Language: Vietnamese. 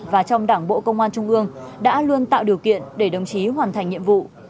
và trong đảng bộ công an trung ương đã luôn tạo điều kiện để đồng chí hoàn thành nhiệm vụ